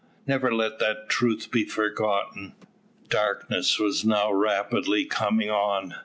Never let that truth be forgotten. Darkness was now rapidly coming on.